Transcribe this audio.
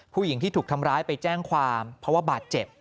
ผู้หญิงที่ถูกทำร้ายไปแจ้งความเพราะว่าบาดเจ็บ